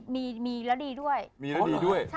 มีแล้วดีด้วย